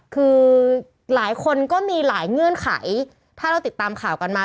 คือหลายคนก็มีหลายเงื่อนไขถ้าเราติดตามข่าวกันมา